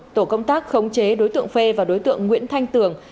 tổ công tác khống chế đối tượng phê và đối tượng nguyễn thanh tường